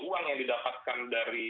uang yang didapatkan dari